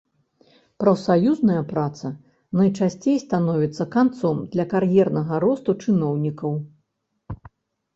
Прафсаюзная праца найчасцей становіцца канцом для кар'ернага росту чыноўнікаў.